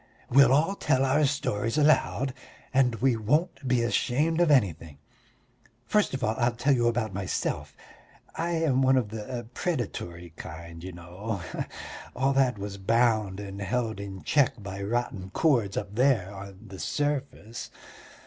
We'll all tell our stories aloud, and we won't be ashamed of anything. First of all I'll tell you about myself. I am one of the predatory kind, you know. All that was bound and held in check by rotten cords up there on the surface.